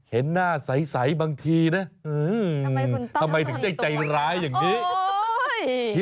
กับผู้หญิงได้